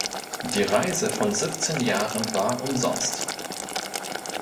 Die Reise von siebzehn Jahren war umsonst.